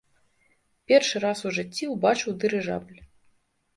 Першы раз у жыцці ўбачыў дырыжабль.